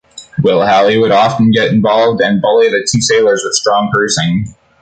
Will Halley would often get involved and bully the two sailors with strong cursing.